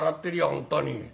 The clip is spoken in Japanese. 本当に。